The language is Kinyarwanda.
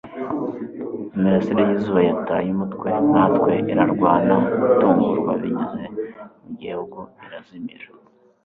Imirasire yizuba yataye umutwe nkatwe irarwana itungurwa binyuze mu gihu irazimira